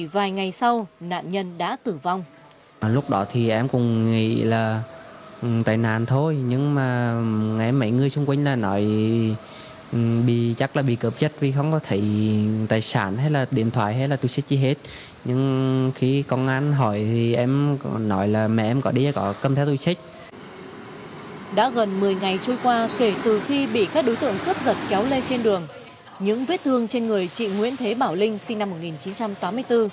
và kể từ khi bị các đối tượng cướp giật kéo lê trên đường những vết thương trên người chị nguyễn thế bảo linh sinh năm một nghìn chín trăm tám mươi bốn